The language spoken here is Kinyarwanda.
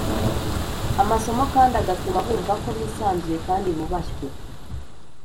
amasomo kandi agatuma bumva ko bisanzuye kandi bubashywe